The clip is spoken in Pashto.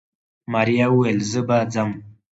ماريا وويل زه به ځم.